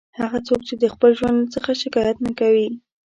هغه څوک چې د خپل ژوند څخه شکایت نه کوي.